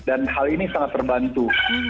dan hal ini sangat terbantu